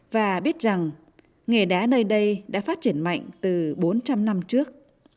và biết rằng nghề đá nơi đây đã phát triển mạnh từ bốn trăm linh năm trước